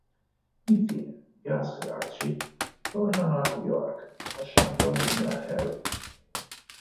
Infine, Gus e Archie tornano a New York, lasciando a Londra Harry.